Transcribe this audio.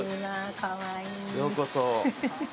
ようこそ